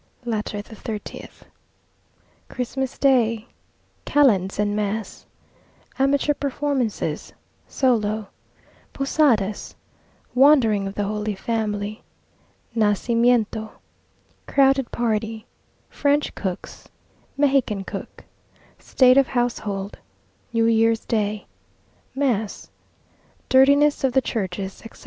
LETTER THE THIRTIETH Christmas day Kalends and Mass Amateur Performances Solo Posadas Wandering of the Holy Family Nacimiento Crowded Party French Cooks Mexican Cook State of Household New Year's Day Mass Dirtiness of the Churches, etc.